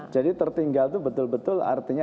jadi tertinggal itu betul betul artinya